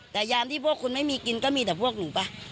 แต่ยามที่พวกคุณไม่มีกินก็มีแต่พวกหนูป่ะ